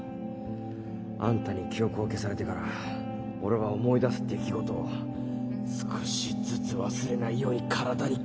あんたに記憶を消されてから俺は思い出す出来事を少しずつ忘れないように体に刻み込んだ。